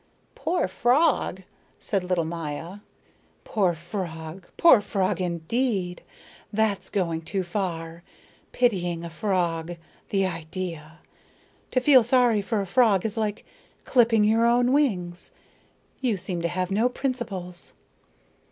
"Poor frog!" said little Maya. "Poor frog! Poor frog indeed! That's going too far. Pitying a frog. The idea! To feel sorry for a frog is like clipping your own wings. You seem to have no principles."